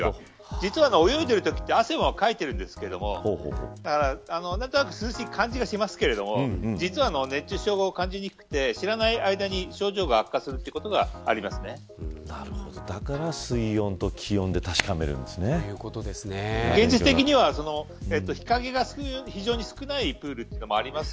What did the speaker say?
実は、泳いでいるときも汗をかいているんですけど何となく涼しい感じがしますが実は熱中症を感じにくくて知らない間に症状が悪化するだから水温と気温で現実的には日陰が非常に少ないプールというのもあります